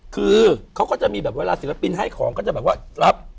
คือเขาก็จะมีแบบเวลาศิลปินให้ของก็จะแบบว่ารับ